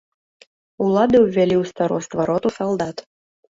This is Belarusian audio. Улады ўвялі ў староства роту салдат.